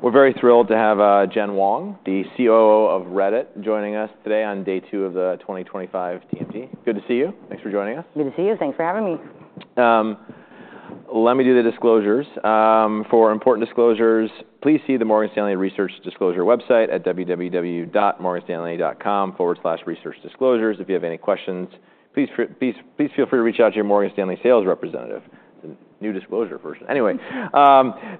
We're very thrilled to have Jen Wong, the COO of Reddit, joining us today on day two of the 2025 TMT. Good to see you. Thanks for joining us. Good to see you. Thanks for having me. Let me do the disclosures. For important disclosures, please see the Morgan Stanley Research Disclosure website at www.morganstanley.com/researchdisclosures. If you have any questions, please feel free to reach out to your Morgan Stanley sales representative. It's a new disclosure version. Anyway,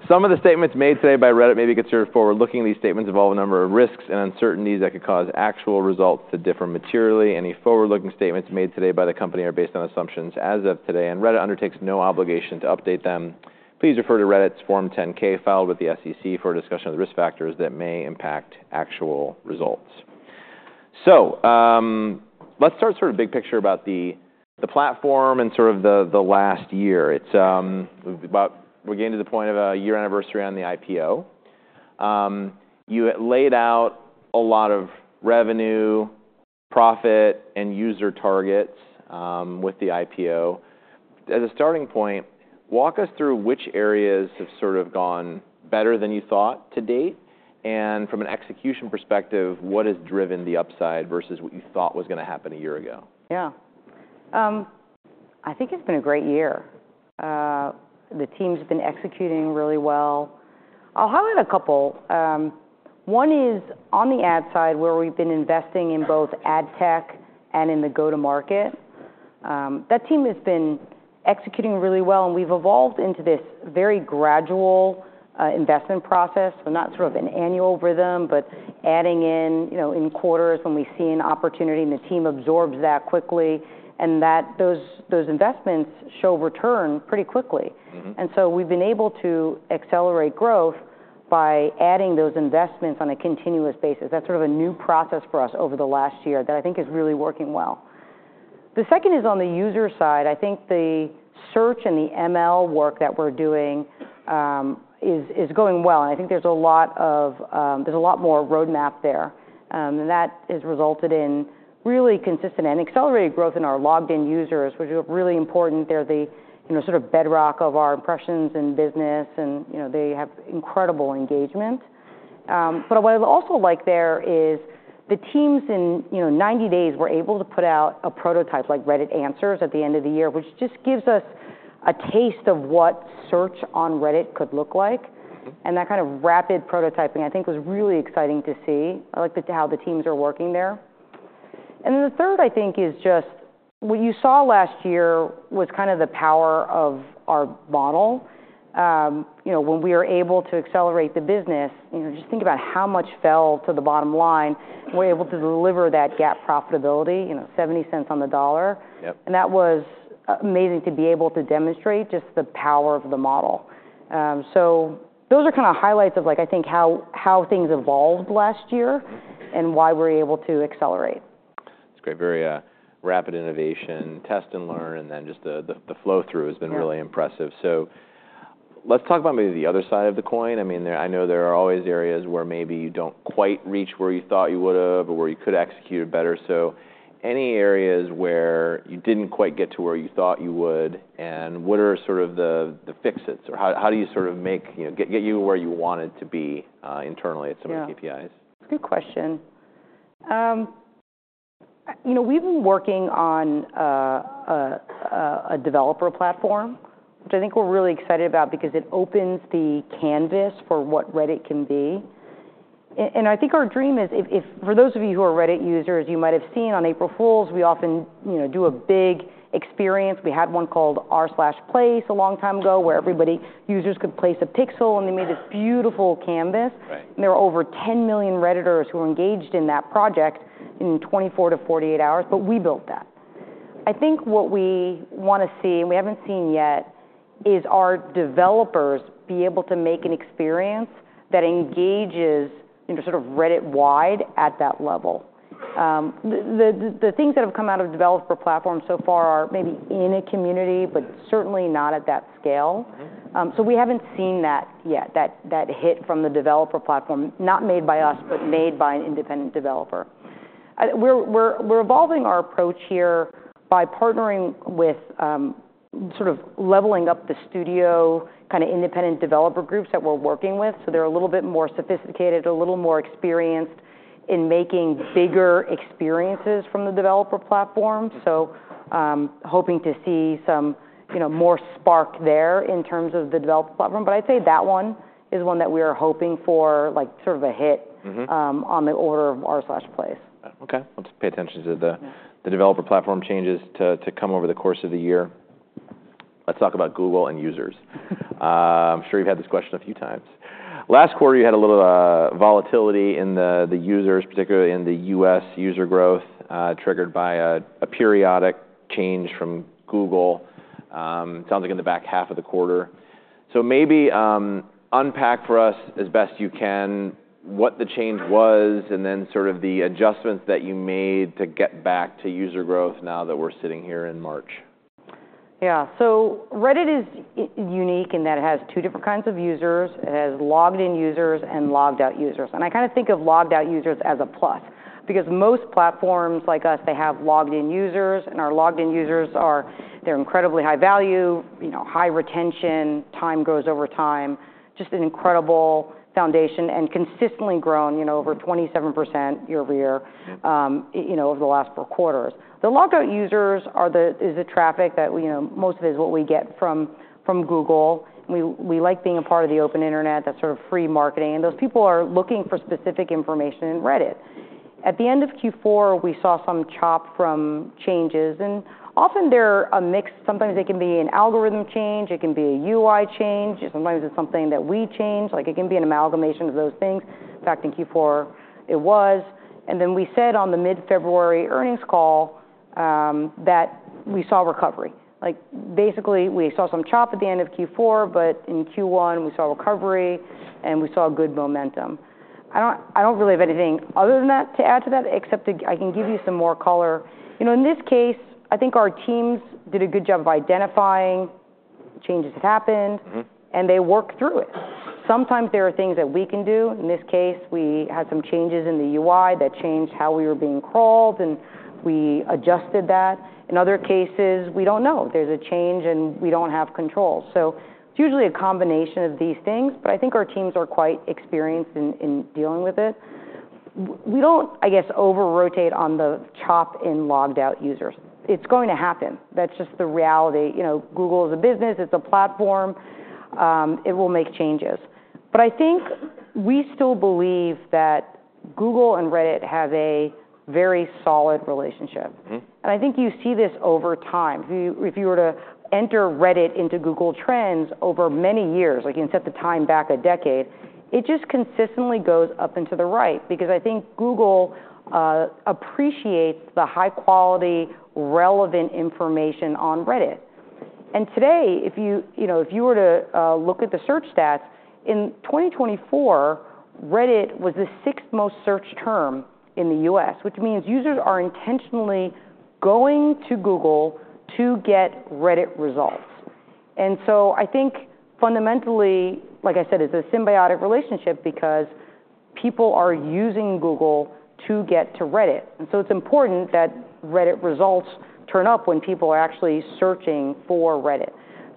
some of the statements made today by Reddit may be considered forward-looking. These statements involve a number of risks and uncertainties that could cause actual results to differ materially. Any forward-looking statements made today by the company are based on assumptions as of today, and Reddit undertakes no obligation to update them. Please refer to Reddit's Form 10-K filed with the SEC for a discussion of the risk factors that may impact actual results. So let's start sort of big picture about the platform and sort of the last year. We've gained to the point of a year anniversary on the IPO. You laid out a lot of revenue, profit, and user targets with the IPO. As a starting point, walk us through which areas have sort of gone better than you thought to date. And from an execution perspective, what has driven the upside versus what you thought was going to happen a year ago? Yeah. I think it's been a great year. The team's been executing really well. I'll highlight a couple. One is on the ad side, where we've been investing in both ad tech and in the go-to-market. That team has been executing really well, and we've evolved into this very gradual investment process. We're not sort of an annual rhythm, but adding in quarters when we see an opportunity, and the team absorbs that quickly. And those investments show return pretty quickly. And so we've been able to accelerate growth by adding those investments on a continuous basis. That's sort of a new process for us over the last year that I think is really working well. The second is on the user side. I think the search and the ML work that we're doing is going well. And I think there's a lot more roadmap there. And that has resulted in really consistent and accelerated growth in our logged-in users, which are really important. They're the sort of bedrock of our impressions and business, and they have incredible engagement, but what I also like there is the teams, in 90 days, were able to put out a prototype like Reddit Answers at the end of the year, which just gives us a taste of what search on Reddit could look like, and that kind of rapid prototyping, I think, was really exciting to see how the teams are working there, and then the third, I think, is just what you saw last year was kind of the power of our model. When we were able to accelerate the business, just think about how much fell to the bottom line. We're able to deliver that GAAP profitability, $0.70 on the dollar. That was amazing to be able to demonstrate just the power of the model. Those are kind of highlights of, I think, how things evolved last year and why we're able to accelerate. That's great. Very rapid innovation, test and learn, and then just the flow through has been really impressive. So let's talk about maybe the other side of the coin. I mean, I know there are always areas where maybe you don't quite reach where you thought you would have or where you could execute better. So any areas where you didn't quite get to where you thought you would, and what are sort of the fixits? Or how do you sort of get you where you wanted to be internally at some of the KPIs? Yeah. That's a good question. We've been working on a developer platform, which I think we're really excited about because it opens the canvas for what Reddit can be, and I think our dream is, for those of you who are Reddit users, you might have seen on April Fools', we often do a big experience. We had one called r/place a long time ago where users could place a pixel, and they made this beautiful canvas, and there were over 10 million Redditors who were engaged in that project in 24-48 hours, but we built that. I think what we want to see, and we haven't seen yet, is our developers be able to make an experience that engages sort of Reddit-wide at that level. The things that have come out of the developer platform so far are maybe in a community, but certainly not at that scale. So we haven't seen that yet, that hit from the developer platform, not made by us, but made by an independent developer. We're evolving our approach here by partnering with sort of leveling up the studio kind of independent developer groups that we're working with. So they're a little bit more sophisticated, a little more experienced in making bigger experiences from the developer platform. So hoping to see some more spark there in terms of the developer platform. But I'd say that one is one that we are hoping for sort of a hit on the order of r/place. OK. Let's pay attention to the developer platform changes to come over the course of the year. Let's talk about Google and users. I'm sure you've had this question a few times. Last quarter, you had a little volatility in the users, particularly in the U.S. user growth triggered by a periodic change from Google. It sounds like in the back half of the quarter, so maybe unpack for us as best you can what the change was and then sort of the adjustments that you made to get back to user growth now that we're sitting here in March. Yeah. So Reddit is unique in that it has two different kinds of users. It has logged-in users and logged-out users. And I kind of think of logged-out users as a plus because most platforms like us, they have logged-in users. And our logged-in users, they're incredibly high value, high retention, time grows over time, just an incredible foundation and consistently grown over 27% year-over-year over the last four quarters. The logged-out users is the traffic that most of it is what we get from Google. We like being a part of the open internet, that sort of free marketing. And those people are looking for specific information in Reddit. At the end of Q4, we saw some chop from changes. And often they're a mix. Sometimes they can be an algorithm change. It can be a UI change. Sometimes it's something that we change. It can be an amalgamation of those things. In fact, in Q4, it was, and then we said on the mid-February earnings call that we saw recovery. Basically, we saw some chop at the end of Q4, but in Q1, we saw recovery, and we saw good momentum. I don't really have anything other than that to add to that, except I can give you some more color. In this case, I think our teams did a good job of identifying changes that happened, and they worked through it. Sometimes there are things that we can do. In this case, we had some changes in the UI that changed how we were being crawled, and we adjusted that. In other cases, we don't know. There's a change, and we don't have control, so it's usually a combination of these things. But I think our teams are quite experienced in dealing with it. We don't, I guess, over-rotate on the chop in logged-out users. It's going to happen. That's just the reality. Google is a business. It's a platform. It will make changes. But I think we still believe that Google and Reddit have a very solid relationship. And I think you see this over time. If you were to enter Reddit into Google Trends over many years, like you can set the time back a decade, it just consistently goes up and to the right because I think Google appreciates the high-quality, relevant information on Reddit. And today, if you were to look at the search stats, in 2024, Reddit was the sixth most searched term in the U.S., which means users are intentionally going to Google to get Reddit results. And so I think fundamentally, like I said, it's a symbiotic relationship because people are using Google to get to Reddit. And so it's important that Reddit results turn up when people are actually searching for Reddit.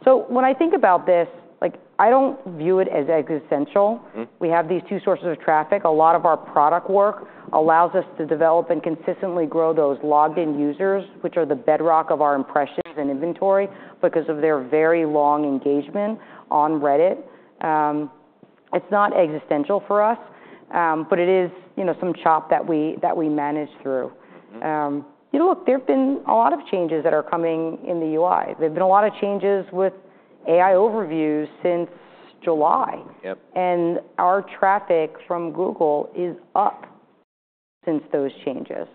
So when I think about this, I don't view it as existential. We have these two sources of traffic. A lot of our product work allows us to develop and consistently grow those logged-in users, which are the bedrock of our impressions and inventory because of their very long engagement on Reddit. It's not existential for us, but it is some chop that we manage through. Look, there have been a lot of changes that are coming in the UI. There have been a lot of changes with AI Overviews since July. And our traffic from Google is up since those changes,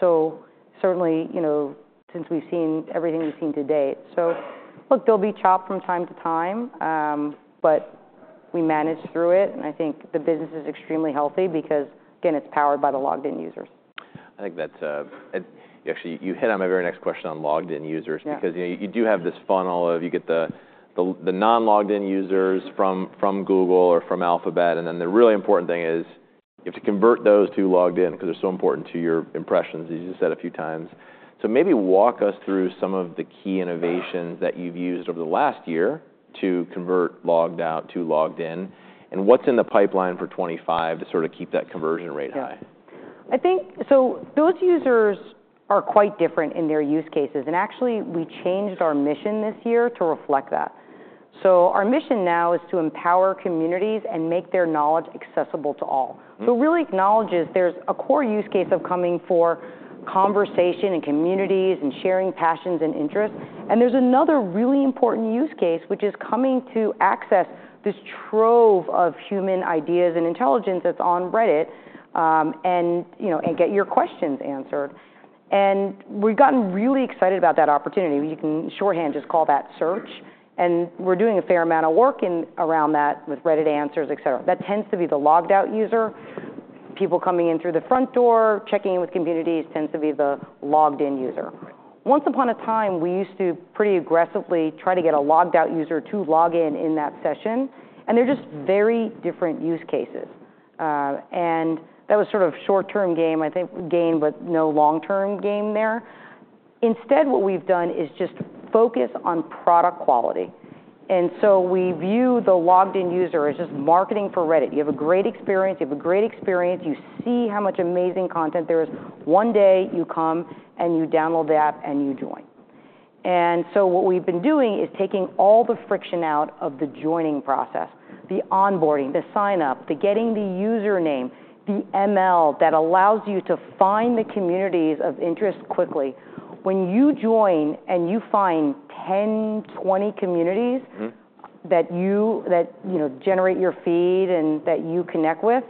so certainly since we've seen everything we've seen to date. So look, there'll be chop from time to time, but we manage through it. And I think the business is extremely healthy because, again, it's powered by the logged-in users. I think that's actually you hit on my very next question on logged-in users because you do have this funnel of you get the non-logged-in users from Google or from Alphabet. And then the really important thing is you have to convert those to logged-in because they're so important to your impressions, as you said a few times. So maybe walk us through some of the key innovations that you've used over the last year to convert logged-out to logged-in. And what's in the pipeline for 2025 to sort of keep that conversion rate high? I think so those users are quite different in their use cases. And actually, we changed our mission this year to reflect that. So our mission now is to empower communities and make their knowledge accessible to all. So it really acknowledges there's a core use case of coming for conversation and communities and sharing passions and interests. And there's another really important use case, which is coming to access this trove of human ideas and intelligence that's on Reddit and get your questions answered. And we've gotten really excited about that opportunity. You can shorthand just call that search. And we're doing a fair amount of work around that with Reddit Answers, et cetera. That tends to be the logged-out user. People coming in through the front door, checking in with communities, tends to be the logged-in user. Once upon a time, we used to pretty aggressively try to get a logged-out user to log in in that session, and they're just very different use cases, and that was sort of short-term gain, I think, but no long-term gain there. Instead, what we've done is just focus on product quality, and so we view the logged-in user as just marketing for Reddit. You have a great experience. You have a great experience. You see how much amazing content there is. One day, you come, and you download the app, and you join, and so what we've been doing is taking all the friction out of the joining process, the onboarding, the sign-up, the getting the username, the ML that allows you to find the communities of interest quickly. When you join and you find 10-20 communities that generate your feed and that you connect with,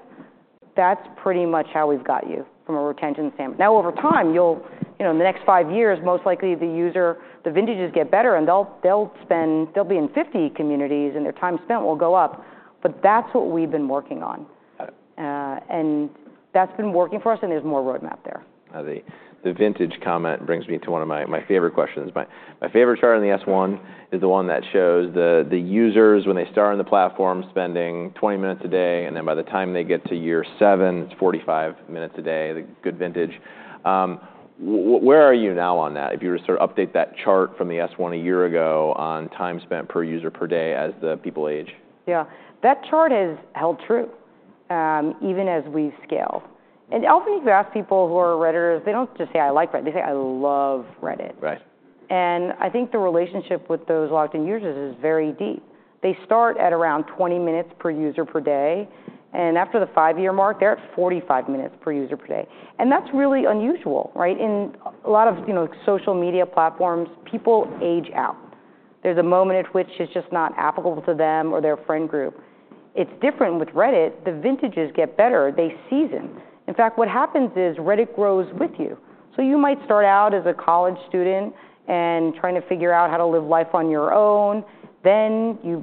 that's pretty much how we've got you from a retention standpoint. Now, over time, in the next five years, most likely the user, the vintages get better, and they'll be in 50 communities, and their time spent will go up, but that's what we've been working on, and that's been working for us, and there's more roadmap there. The vintage comment brings me to one of my favorite questions. My favorite chart on the S-1 is the one that shows the users, when they start on the platform, spending 20 minutes a day. And then by the time they get to year seven, it's 45 minutes a day, the good vintage. Where are you now on that, if you were to sort of update that chart from the S-1 a year ago on time spent per user per day as the people age? Yeah. That chart has held true even as we've scaled. And often if you ask people who are Redditors, they don't just say, I like Reddit. They say, I love Reddit. And I think the relationship with those logged-in users is very deep. They start at around 20 minutes per user per day. And after the five-year mark, they're at 45 minutes per user per day. And that's really unusual. In a lot of social media platforms, people age out. There's a moment at which it's just not applicable to them or their friend group. It's different with Reddit. The vintages get better. They season. In fact, what happens is Reddit grows with you. So you might start out as a college student and trying to figure out how to live life on your own. Then you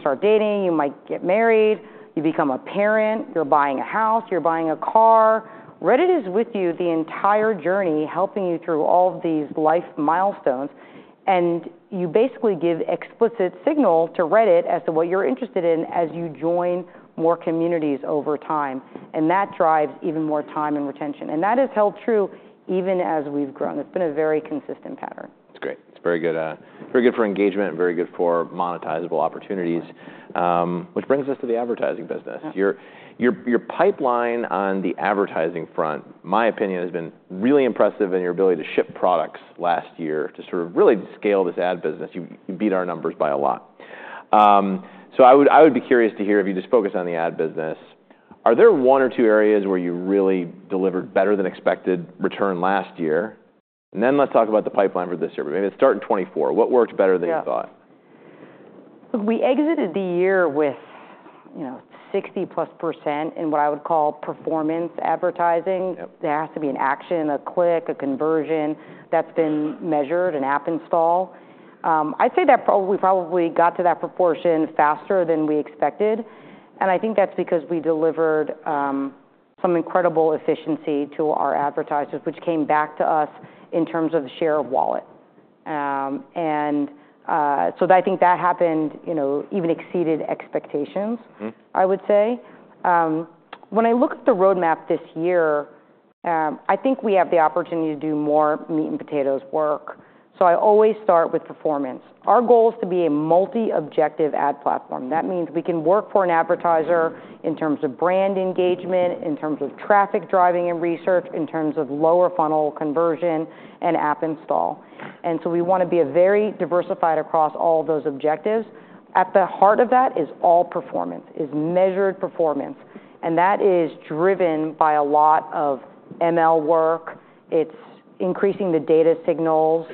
start dating. You might get married. You become a parent. You're buying a house. You're buying a car. Reddit is with you the entire journey, helping you through all of these life milestones. And you basically give explicit signal to Reddit as to what you're interested in as you join more communities over time. And that drives even more time and retention. And that has held true even as we've grown. It's been a very consistent pattern. That's great. It's very good for engagement and very good for monetizable opportunities, which brings us to the advertising business. Your pipeline on the advertising front, my opinion, has been really impressive in your ability to ship products last year to sort of really scale this ad business. You beat our numbers by a lot. So I would be curious to hear if you just focus on the ad business. Are there one or two areas where you really delivered better than expected return last year? And then let's talk about the pipeline for this year. Maybe let's start in 2024. What worked better than you thought? Look, we exited the year with 60+% in what I would call performance advertising. There has to be an action, a click, a conversion that's been measured, an app install. I'd say that we probably got to that proportion faster than we expected. And I think that's because we delivered some incredible efficiency to our advertisers, which came back to us in terms of the share of wallet. And so I think that happened even exceeded expectations, I would say. When I look at the roadmap this year, I think we have the opportunity to do more meat and potatoes work. So I always start with performance. Our goal is to be a multi-objective ad platform. That means we can work for an advertiser in terms of brand engagement, in terms of traffic driving and research, in terms of lower funnel conversion, and app install. And so we want to be very diversified across all those objectives. At the heart of that is all performance, is measured performance. And that is driven by a lot of ML work. It's increasing the data signals,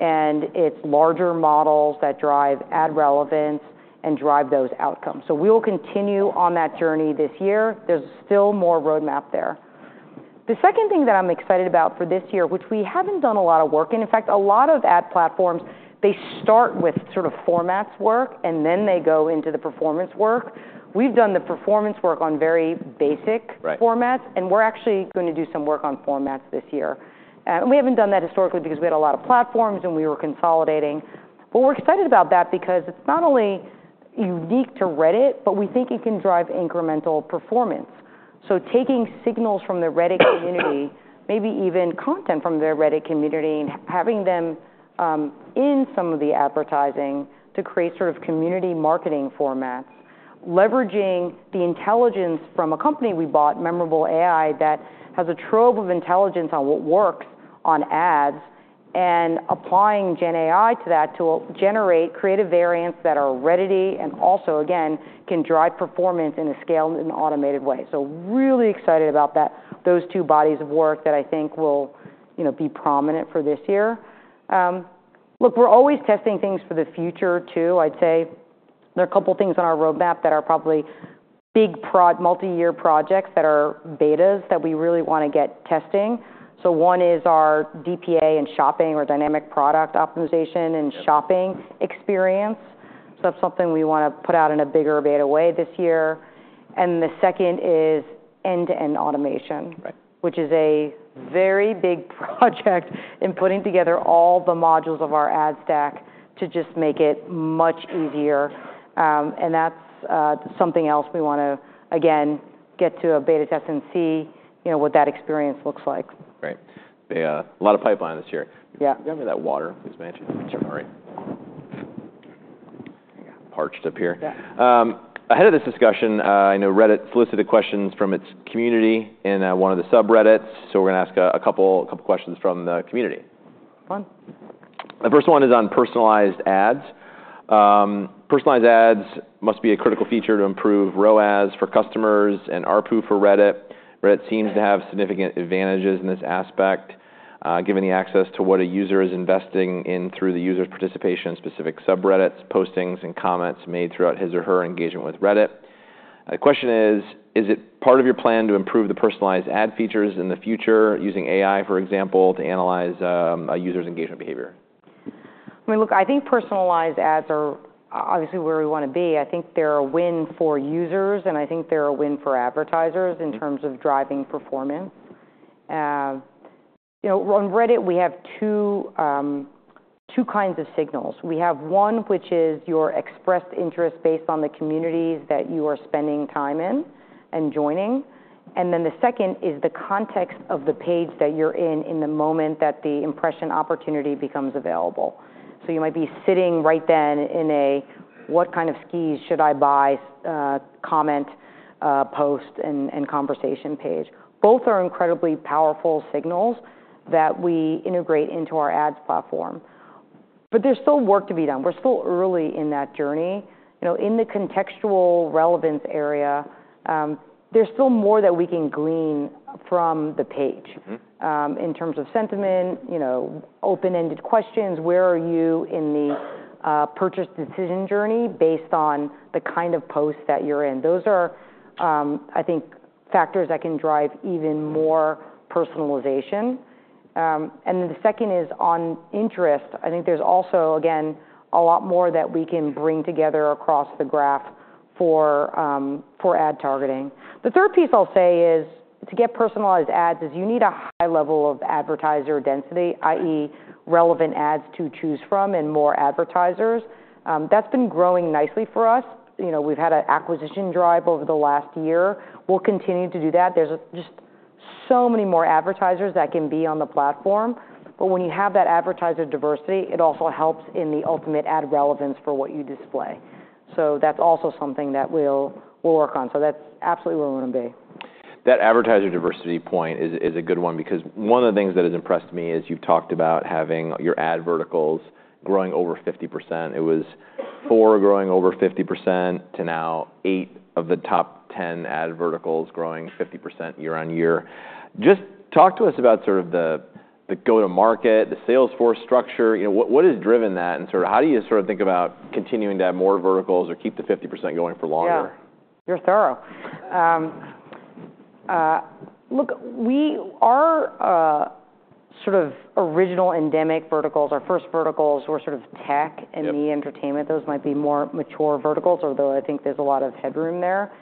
and it's larger models that drive ad relevance and drive those outcomes. So we will continue on that journey this year. There's still more roadmap there. The second thing that I'm excited about for this year, which we haven't done a lot of work in, in fact, a lot of ad platforms, they start with sort of formats work, and then they go into the performance work. We've done the performance work on very basic formats. And we're actually going to do some work on formats this year. And we haven't done that historically because we had a lot of platforms, and we were consolidating. But we're excited about that because it's not only unique to Reddit, but we think it can drive incremental performance. So taking signals from the Reddit community, maybe even content from the Reddit community, and having them in some of the advertising to create sort of community marketing formats, leveraging the intelligence from a company we bought, Memorable AI, that has a trove of intelligence on what works on ads, and applying Gen AI to that to generate creative variants that are ready and also, again, can drive performance in a scaled and automated way. So really excited about those two bodies of work that I think will be prominent for this year. Look, we're always testing things for the future, too, I'd say. There are a couple of things on our roadmap that are probably big multi-year projects that are betas that we really want to get testing. So one is our DPA and shopping, or dynamic product optimization and shopping experience. So that's something we want to put out in a bigger beta way this year. And the second is end-to-end automation, which is a very big project in putting together all the modules of our ad stack to just make it much easier. And that's something else we want to, again, get to a beta test and see what that experience looks like. Right. A lot of pipeline this year. Can you give me that water? Please mention. Sure. All right. Parked up here. Ahead of this discussion, I know Reddit solicited questions from its community in one of the subreddits, so we're going to ask a couple of questions from the community. Fun. The first one is on personalized ads. Personalized ads must be a critical feature to improve ROAS for customers and ARPU for Reddit. Reddit seems to have significant advantages in this aspect, given the access to what a user is investing in through the user's participation in specific subreddits, postings, and comments made throughout his or her engagement with Reddit. The question is, is it part of your plan to improve the personalized ad features in the future, using AI, for example, to analyze a user's engagement behavior? I mean, look, I think personalized ads are obviously where we want to be. I think they're a win for users, and I think they're a win for advertisers in terms of driving performance. On Reddit, we have two kinds of signals. We have one, which is your expressed interest based on the communities that you are spending time in and joining. And then the second is the context of the page that you're in in the moment that the impression opportunity becomes available. So you might be sitting right then in a, what kind of skis should I buy comment post and conversation page. Both are incredibly powerful signals that we integrate into our ads platform. But there's still work to be done. We're still early in that journey. In the contextual relevance area, there's still more that we can glean from the page in terms of sentiment, open-ended questions, where are you in the purchase decision journey based on the kind of post that you're in. Those are, I think, factors that can drive even more personalization. And then the second is on interest. I think there's also, again, a lot more that we can bring together across the graph for ad targeting. The third piece I'll say is to get personalized ads is you need a high level of advertiser density, i.e., relevant ads to choose from and more advertisers. That's been growing nicely for us. We've had an acquisition drive over the last year. We'll continue to do that. There's just so many more advertisers that can be on the platform. But when you have that advertiser diversity, it also helps in the ultimate ad relevance for what you display. So that's also something that we'll work on. So that's absolutely where we want to be. That advertiser diversity point is a good one because one of the things that has impressed me is you've talked about having your ad verticals growing over 50%. It was four growing over 50% to now eight of the top 10 ad verticals growing 50% year-on-year. Just talk to us about sort of the go-to-market, the sales force structure. What has driven that? And sort of how do you sort of think about continuing to have more verticals or keep the 50% going for longer? Yeah. You're thorough. Look, our sort of original endemic verticals, our first verticals were sort of tech and the entertainment. Those might be more mature verticals, although I think there's a lot of headroom there,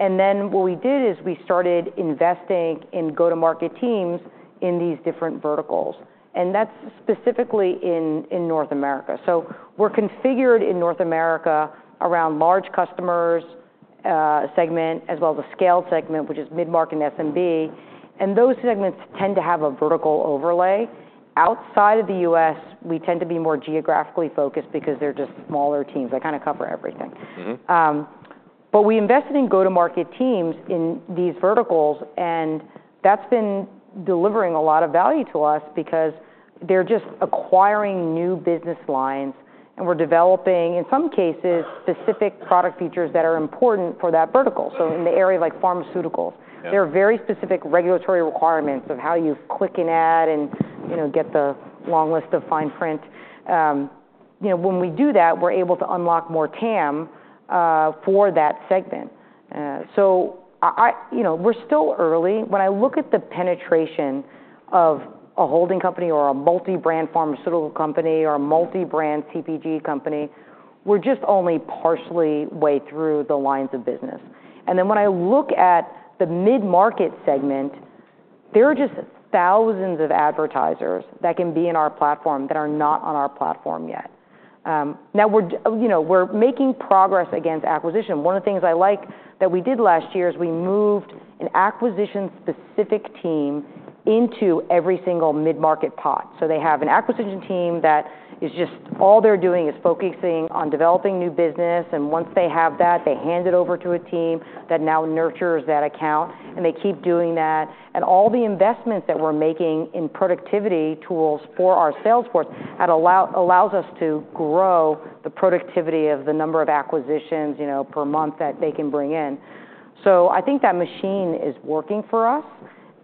and then what we did is we started investing in go-to-market teams in these different verticals, and that's specifically in North America, so we're configured in North America around large customers segment, as well as a scaled segment, which is mid-market and SMB, and those segments tend to have a vertical overlay. Outside of the U.S., we tend to be more geographically focused because they're just smaller teams that kind of cover everything, but we invested in go-to-market teams in these verticals, and that's been delivering a lot of value to us because they're just acquiring new business lines, and we're developing, in some cases, specific product features that are important for that vertical. So in the area of pharmaceuticals, there are very specific regulatory requirements of how you click an ad and get the long list of fine print. When we do that, we're able to unlock more TAM for that segment. So we're still early. When I look at the penetration of a holding company or a multi-brand pharmaceutical company or a multi-brand CPG company, we're just only partially way through the lines of business. And then when I look at the mid-market segment, there are just thousands of advertisers that can be in our platform that are not on our platform yet. Now, we're making progress against acquisition. One of the things I like that we did last year is we moved an acquisition-specific team into every single mid-market pod. So they have an acquisition team that is just all they're doing is focusing on developing new business. And once they have that, they hand it over to a team that now nurtures that account. And they keep doing that. And all the investments that we're making in productivity tools for our sales force allows us to grow the productivity of the number of acquisitions per month that they can bring in. So I think that machine is working for us.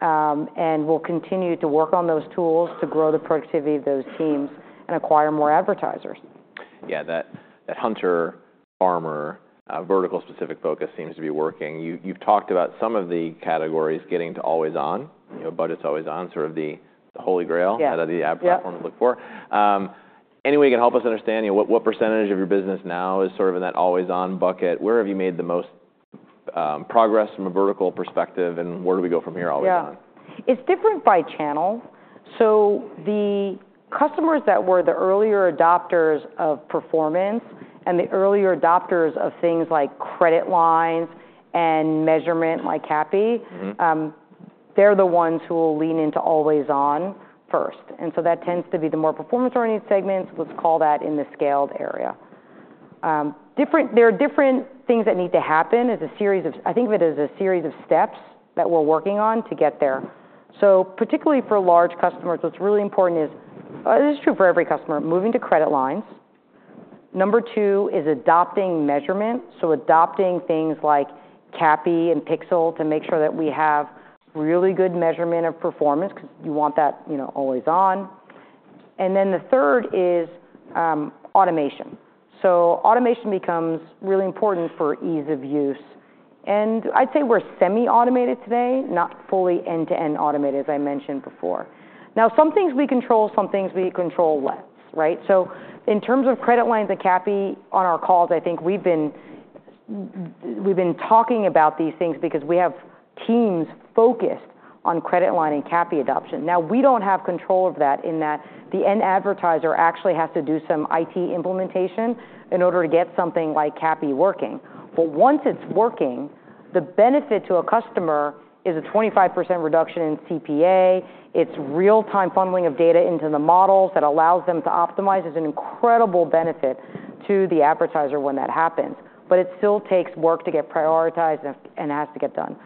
And we'll continue to work on those tools to grow the productivity of those teams and acquire more advertisers. Yeah. That hunter-farmer vertical-specific focus seems to be working. You've talked about some of the categories getting to always-on, budgets always-on, sort of the holy grail that the ad platforms look for. Any way you can help us understand what percentage of your business now is sort of in that always-on bucket? Where have you made the most progress from a vertical perspective? And where do we go from here always-on? Yeah. It's different by channel. So the customers that were the earlier adopters of performance and the earlier adopters of things like credit lines and measurement like CAPI, they're the ones who will lean into always-on first. And so that tends to be the more performance-oriented segments. Let's call that in the scaled area. There are different things that need to happen. I think of it as a series of steps that we're working on to get there. So particularly for large customers, what's really important is, and this is true for every customer, moving to credit lines. Number two is adopting measurement. So adopting things like CAPI and Pixel to make sure that we have really good measurement of performance because you want that always-on. And then the third is automation. So automation becomes really important for ease of use. I'd say we're semi-automated today, not fully end-to-end automated, as I mentioned before. Now, some things we control, some things we control less. So in terms of credit lines and CAPI on our calls, I think we've been talking about these things because we have teams focused on credit line and CAPI adoption. Now, we don't have control of that in that the advertiser actually has to do some IT implementation in order to get something like CAPI working. But once it's working, the benefit to a customer is a 25% reduction in CPA. It's real-time funneling of data into the models that allows them to optimize. It's an incredible benefit to the advertiser when that happens. But it still takes work to get prioritized and has to get done.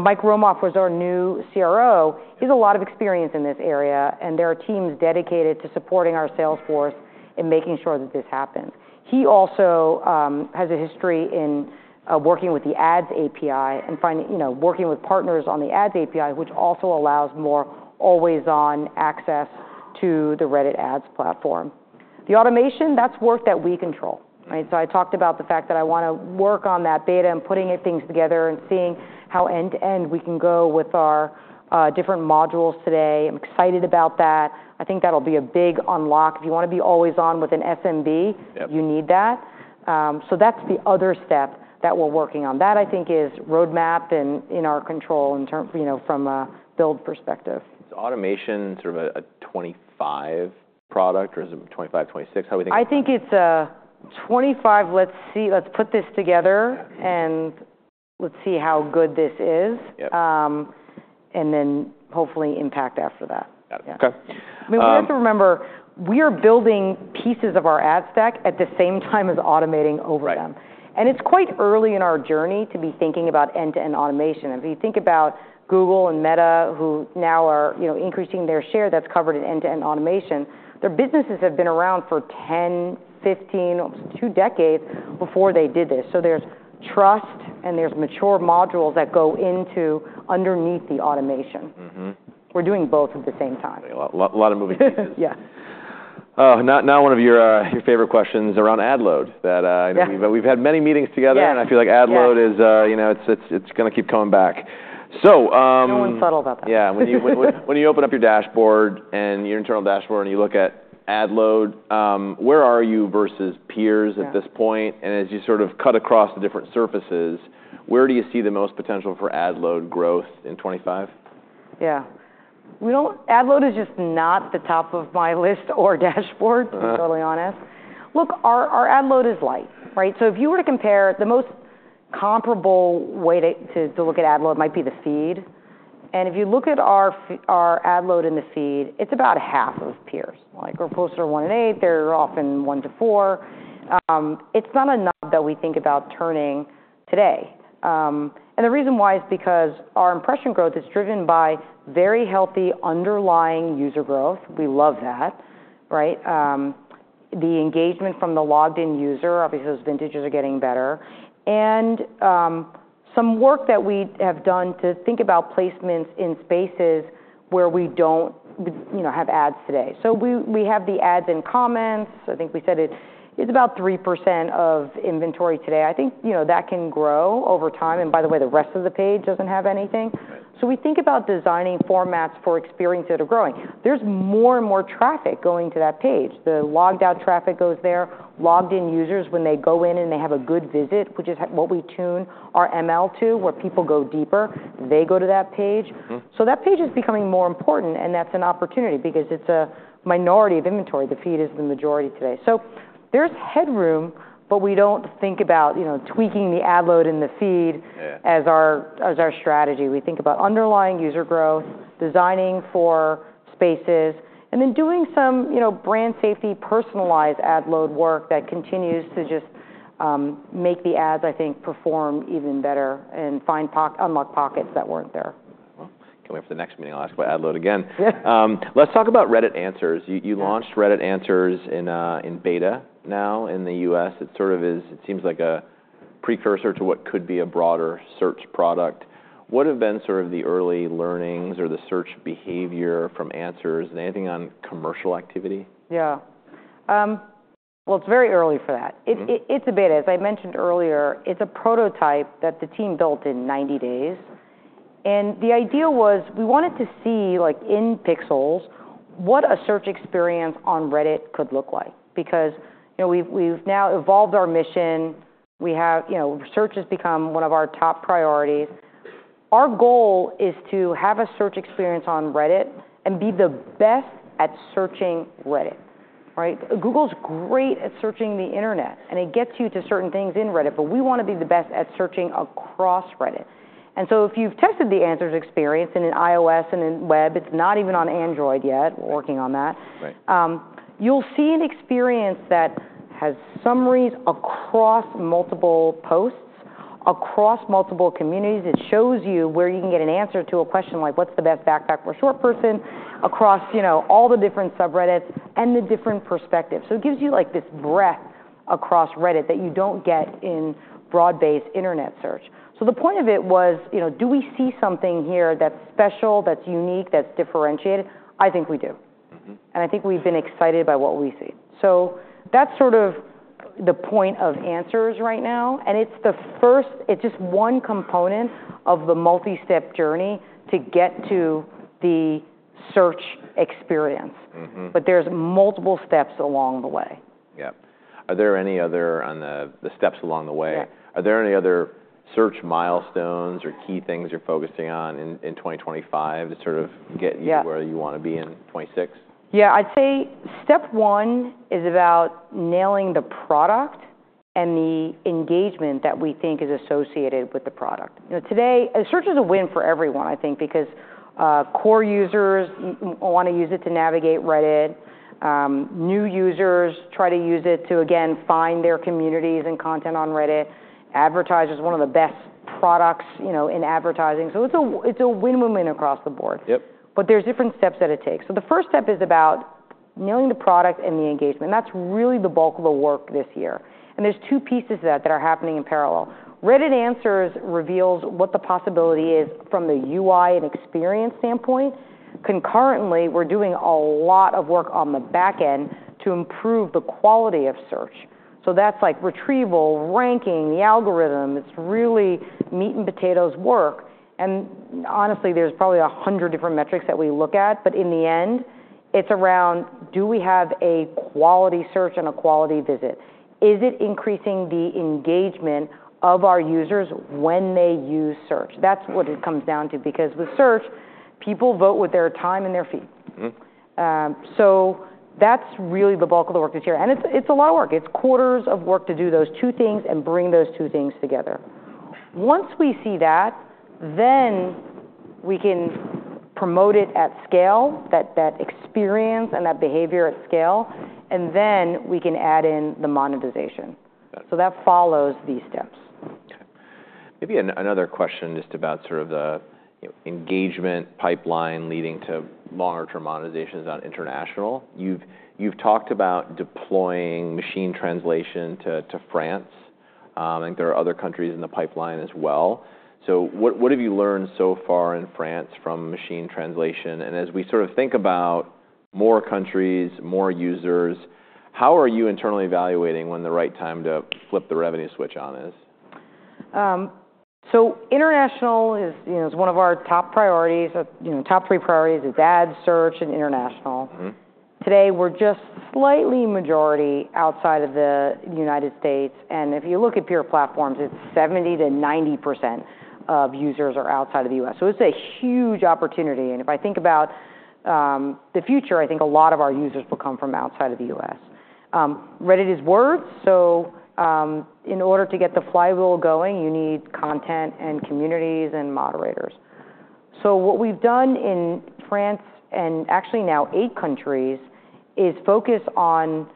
Mike Romoff, who is our new CRO, he has a lot of experience in this area. There are teams dedicated to supporting our sales force and making sure that this happens. He also has a history in working with the ads API and working with partners on the ads API, which also allows more always-on access to the Reddit ads platform. The automation, that's work that we control. So I talked about the fact that I want to work on that beta and putting things together and seeing how end-to-end we can go with our different modules today. I'm excited about that. I think that'll be a big unlock. If you want to be always-on with an SMB, you need that. So that's the other step that we're working on. That I think is roadmap and in our control from a build perspective. Is automation sort of a 2025 product or is it 2025, 2026? How do we think? I think it's a 2025. Let's put this together and let's see how good this is. And then hopefully impact after that. Got it. Okay. I mean, we have to remember we are building pieces of our ad stack at the same time as automating over them. And it's quite early in our journey to be thinking about end-to-end automation. If you think about Google and Meta, who now are increasing their share that's covered in end-to-end automation, their businesses have been around for 10, 15, almost two decades before they did this. So there's trust and there's mature modules that go underneath the automation. We're doing both at the same time. A lot of moving pieces. Yeah. Now, one of your favorite questions around ad load. We've had many meetings together, and I feel like ad load, it's going to keep coming back. I'm going subtle about that. Yeah. When you open up your dashboard and your internal dashboard and you look at ad load, where are you versus peers at this point? And as you sort of cut across the different surfaces, where do you see the most potential for ad load growth in 2025? Yeah. Ad load is just not the top of my list or dashboard, to be totally honest. Look, our ad load is light. So if you were to compare, the most comparable way to look at ad load might be the feed. And if you look at our ad load in the feed, it's about half of peers. Our posts are one in eight. They're often one to four. It's not a knob that we think about turning today. And the reason why is because our impression growth is driven by very healthy underlying user growth. We love that. The engagement from the logged-in user, obviously, those vintages are getting better. And some work that we have done to think about placements in spaces where we don't have ads today. So we have the ads and comments. I think we said it's about 3% of inventory today. I think that can grow over time. And by the way, the rest of the page doesn't have anything. So we think about designing formats for experiences that are growing. There's more and more traffic going to that page. The logged-out traffic goes there. Logged-in users, when they go in and they have a good visit, which is what we tune our ML to, where people go deeper, they go to that page. So that page is becoming more important. And that's an opportunity because it's a minority of inventory. The feed is the majority today. So there's headroom, but we don't think about tweaking the ad load in the feed as our strategy. We think about underlying user growth, designing for spaces, and then doing some brand safety personalized ad load work that continues to just make the ads, I think, perform even better and unlock pockets that weren't there. Coming up for the next meeting, I'll ask about ad load again. Let's talk about Reddit Answers. You launched Reddit Answers in beta now in the U.S. It sort of seems like a precursor to what could be a broader search product. What have been sort of the early learnings or the search behavior from Answers? Anything on commercial activity? Yeah. Well, it's very early for that. It's a beta. As I mentioned earlier, it's a prototype that the team built in 90 days. And the idea was we wanted to see in pixels what a search experience on Reddit could look like because we've now evolved our mission. Search has become one of our top priorities. Our goal is to have a search experience on Reddit and be the best at searching Reddit. Google's great at searching the internet. And it gets you to certain things in Reddit. But we want to be the best at searching across Reddit. And so if you've tested the Answers experience on iOS and on web, it's not even on Android yet. We're working on that. You'll see an experience that has summaries across multiple posts, across multiple communities. It shows you where you can get an answer to a question like, what's the best backpack for a short person across all the different subreddits and the different perspectives, so it gives you this breadth across Reddit that you don't get in broad-based internet search. The point of it was, do we see something here that's special, that's unique, that's differentiated? I think we do and I think we've been excited by what we see, so that's sort of the point of Answers right now and it's just one component of the multi-step journey to get to the search experience, but there's multiple steps along the way. Yeah. Are there any other steps along the way, or any other search milestones or key things you're focusing on in 2025 to sort of get you where you want to be in 2026? Yeah. I'd say step one is about nailing the product and the engagement that we think is associated with the product. Today, search is a win for everyone, I think, because core users want to use it to navigate Reddit. New users try to use it to, again, find their communities and content on Reddit. Advertisers are one of the best products in advertising. So it's a win-win win across the board. But there's different steps that it takes. So the first step is about nailing the product and the engagement. And that's really the bulk of the work this year. And there's two pieces of that that are happening in parallel. Reddit Answers reveals what the possibility is from the UI and experience standpoint. Concurrently, we're doing a lot of work on the back end to improve the quality of search. So that's like retrieval, ranking, the algorithm. It's really meat and potatoes work, and honestly, there's probably 100 different metrics that we look at, but in the end, it's around, do we have a quality search and a quality visit? Is it increasing the engagement of our users when they use search? That's what it comes down to because with search, people vote with their time and their feet, so that's really the bulk of the work this year, and it's a lot of work. It's quarters of work to do those two things and bring those two things together. Once we see that, then we can promote it at scale, that experience and that behavior at scale, and then we can add in the monetization, so that follows these steps. Okay. Maybe another question just about sort of the engagement pipeline leading to longer-term monetizations on international. You've talked about deploying machine translation to France. I think there are other countries in the pipeline as well. So what have you learned so far in France from machine translation? And as we sort of think about more countries, more users, how are you internally evaluating when the right time to flip the revenue switch on is? International is one of our top priorities. Top three priorities is ads, search, and international. Today, we're just slightly majority outside of the United States. And if you look at peer platforms, it's 70%-90% of users are outside of the U.S. So it's a huge opportunity. And if I think about the future, I think a lot of our users will come from outside of the U.S. Reddit is words. So in order to get the flywheel going, you need content and communities and moderators. So what we've done in France and actually now eight countries is focus on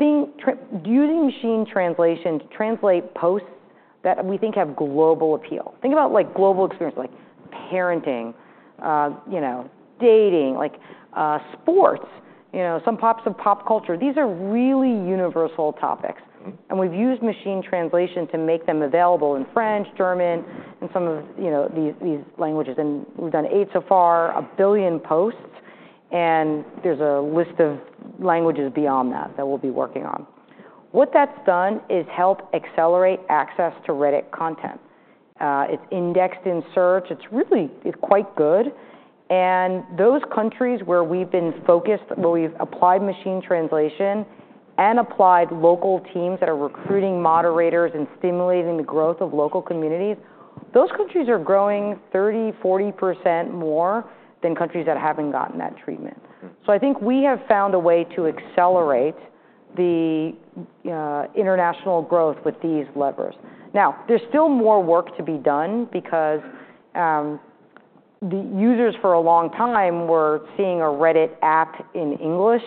using machine translation to translate posts that we think have global appeal. Think about global experience, like parenting, dating, sports, some pops of pop culture. These are really universal topics. And we've used machine translation to make them available in French, German, and some of these languages. And we've done eight so far, a billion posts. And there's a list of languages beyond that that we'll be working on. What that's done is help accelerate access to Reddit content. It's indexed in search. It's really quite good. And those countries where we've been focused, where we've applied machine translation and applied local teams that are recruiting moderators and stimulating the growth of local communities, those countries are growing 30%, 40% more than countries that haven't gotten that treatment. So I think we have found a way to accelerate the international growth with these levers. Now, there's still more work to be done because the users for a long time were seeing a Reddit app in English,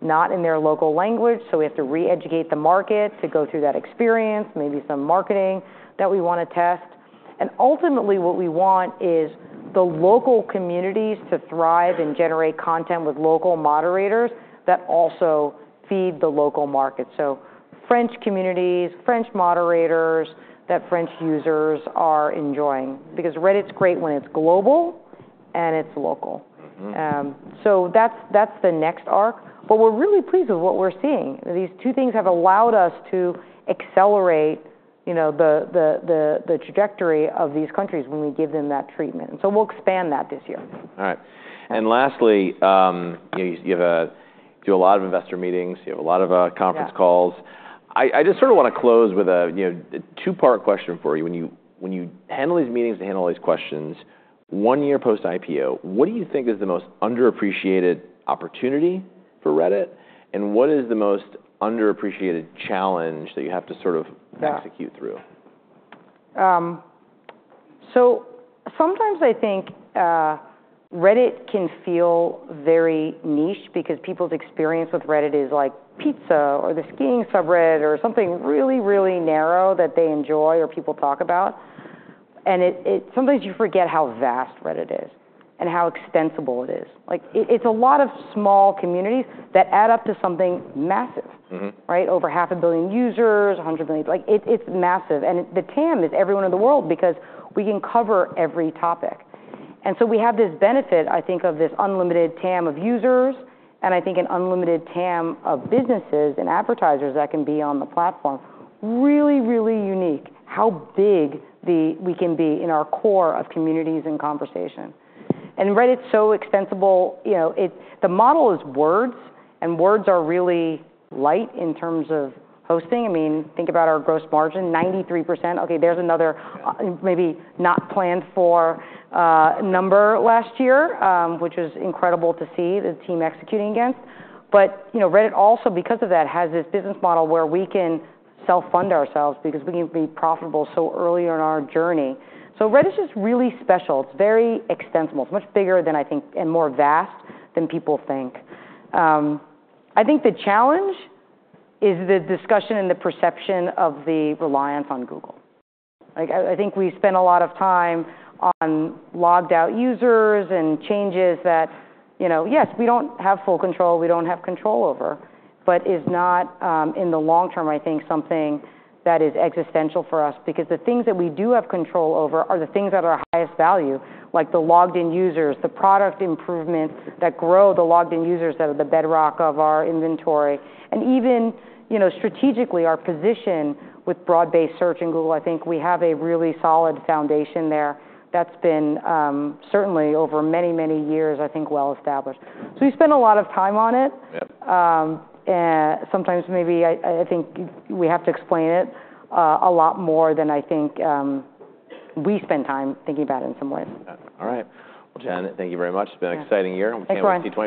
not in their local language. So we have to re-educate the market to go through that experience, maybe some marketing that we want to test. And ultimately, what we want is the local communities to thrive and generate content with local moderators that also feed the local market. So French communities, French moderators that French users are enjoying because Reddit's great when it's global and it's local. So that's the next arc. But we're really pleased with what we're seeing. These two things have allowed us to accelerate the trajectory of these countries when we give them that treatment. And so we'll expand that this year. All right. And lastly, you do a lot of investor meetings. You have a lot of conference calls. I just sort of want to close with a two-part question for you. When you handle these meetings to handle all these questions, one year post-IPO, what do you think is the most underappreciated opportunity for Reddit? And what is the most underappreciated challenge that you have to sort of execute through? Sometimes I think Reddit can feel very niche because people's experience with Reddit is like pizza or the skiing subreddit or something really, really narrow that they enjoy or people talk about. Sometimes you forget how vast Reddit is and how extensible it is. It's a lot of small communities that add up to something massive, over 500 million users, 100 million. It's massive. The TAM is everyone in the world because we can cover every topic. We have this benefit, I think, of this unlimited TAM of users. I think an unlimited TAM of businesses and advertisers that can be on the platform, really, really unique how big we can be in our core of communities and conversation. Reddit's so extensible. The model is words. Words are really light in terms of hosting. I mean, think about our gross margin, 93%. Okay, there's another maybe not planned for number last year, which was incredible to see the team executing against. But Reddit also, because of that, has this business model where we can self-fund ourselves because we can be profitable so early on our journey. So Reddit's just really special. It's very extensible. It's much bigger than, I think, and more vast than people think. I think the challenge is the discussion and the perception of the reliance on Google. I think we spend a lot of time on logged-out users and changes that, yes, we don't have full control. We don't have control over. But it's not, in the long term, I think, something that is existential for us because the things that we do have control over are the things that are our highest value, like the logged-in users, the product improvements that grow the logged-in users that are the bedrock of our inventory. And even strategically, our position with broad-based search in Google, I think we have a really solid foundation there that's been certainly over many, many years, I think, well established. So we spend a lot of time on it. Sometimes maybe I think we have to explain it a lot more than I think we spend time thinking about it in some ways. All right. Well, Jen, thank you very much. It's been an exciting year. Thanks a lot. We can't wait to see.